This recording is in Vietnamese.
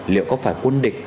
liệu có phải quân địch